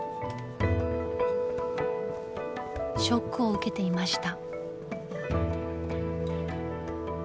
ショックを受けていました。